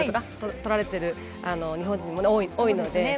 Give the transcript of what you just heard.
とられている日本人も多いので。